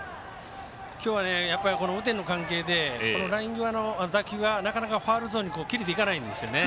きょう、雨天の関係でライン際の打球がなかなか、ファウルゾーンに切れていかないんですよね。